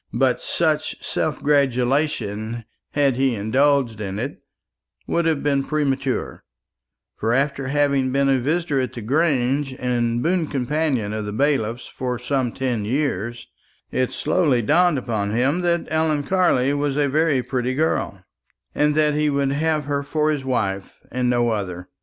But such self gratulation, had he indulged in it, would have been premature; for after having been a visitor at the Grange, and boon companion of the bailiff's for some ten years, it slowly dawned upon him that Ellen Carley was a very pretty girl, and that he would have her for his wife, and no other.